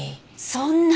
そんな！